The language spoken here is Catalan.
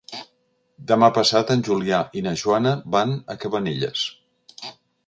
Demà passat en Julià i na Joana van a Cabanelles.